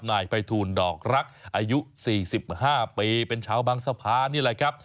นายภัยทูลดอกรักอายุ๔๕ปีเป็นชาวบางสะพานนี่แหละครับ